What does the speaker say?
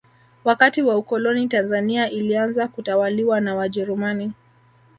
wakati wa ukoloni tanzania ilianza kutawaliwa na wajerumani